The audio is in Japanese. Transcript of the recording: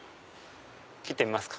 切ってみますか？